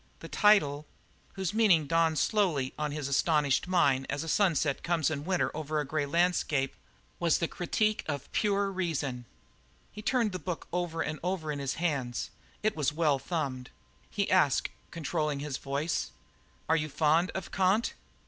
The title, whose meaning dawned slowly on his astonished mind as a sunset comes in winter over a grey landscape, was The Critique of Pure Reason. He turned the book over and over in his hands. It was well thumbed. He asked, controlling his voice: "Are you fond of Kant?"